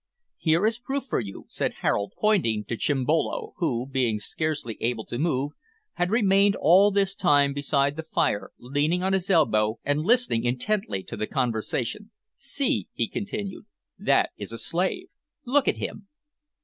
"Here is proof for you," said Harold, pointing to Chimbolo, who, being scarcely able to move, had remained all this time beside the fire leaning on his elbow and listening intently to the conversation. "See," he continued, "that is a slave. Look at him."